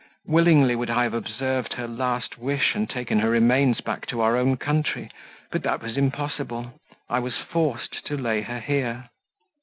Willingly would I have observed her last wish, and taken her remains back to our own country, but that was impossible; I was forced to lay her here."